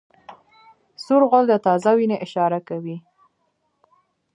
سور غول د تازه وینې اشاره کوي.